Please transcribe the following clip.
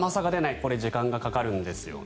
これ、時間がかかるんですよね。